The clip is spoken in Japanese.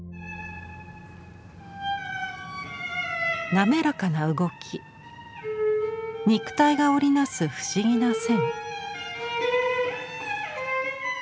滑らかな動き肉体が織り成す不思議な線。